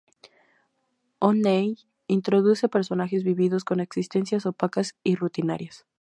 O'Neill introduce personajes vividos, con existencias opacas y rutinarias.